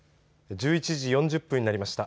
１１時４０分になりました。